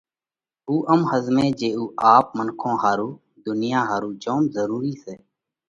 اُو ام ۿزمئه جي اُو آپ منکون ۿارُو، ڌُنيا ۿارُو جوم ضرُورِي سئہ۔